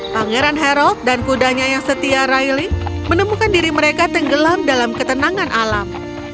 pangeran harald dan kudanya yang setia rily menemukan diri mereka tenggelam dalam ketenangan alam